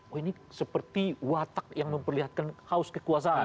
oh ini seperti watak yang memperlihatkan haus kekuasaan